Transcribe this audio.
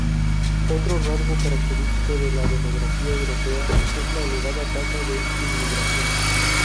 Otro rasgo característico de la demografía europea es la elevada tasa de inmigración.